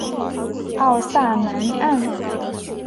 奥萨南岸。